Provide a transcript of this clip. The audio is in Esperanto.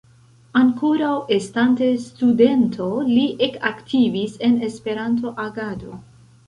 Ankoraŭ estante studento li ekaktivis en Esperanto-agado.